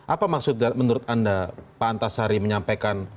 apa maksudnya menurut anda pak antasari menyampaikan